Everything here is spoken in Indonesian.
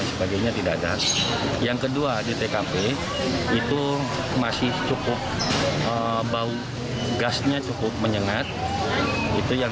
sebagainya tidak ada yang kedua di tkp itu masih cukup bau gasnya cukup menyengat itu yang